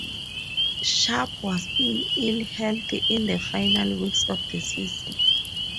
Sharpe was in ill health in the final weeks of the season.